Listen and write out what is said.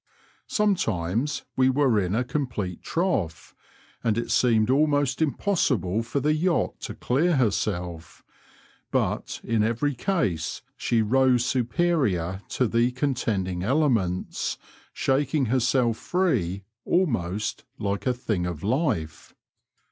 Sometimes we were in a complete trough^ and it seemed almost impossible for the yacht to clear herself ; but in every case she rose superior to the contending elements, shaking herself free almost like a thing of life.